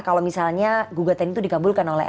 kalau misalnya gugatan itu dikabulkan oleh